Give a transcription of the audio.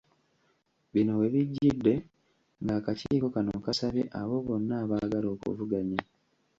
Bino we bijjidde ng’akakiiiko kano kasabye abo bonna abaagala okuvuganya.